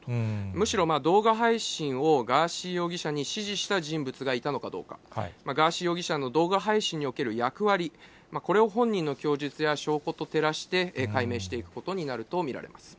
むしろ動画配信をガーシー容疑者に指示した人物がいたのかどうか、ガーシー容疑者の動画配信における役割、これを本人の供述や証拠と照らして、解明していくことになると見られます。